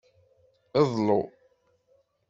Ḍlu.